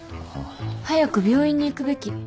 ああ。早く病院に行くべき。